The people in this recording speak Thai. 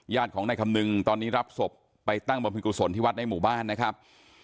ของนายคำนึงตอนนี้รับศพไปตั้งบรรพิกุศลที่วัดในหมู่บ้านนะครับ